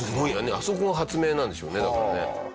あそこが発明なんでしょうねだからね。